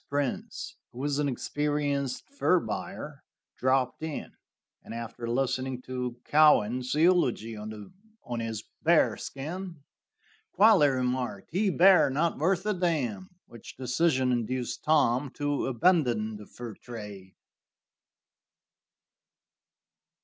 Prince, who was an experienced fur buyer, dropped in, and after listening to Cowan's eulogy on his bear skin, quietly remarked: "He bear; not worth a d n," which decision induced Tom to abandon the fur trade.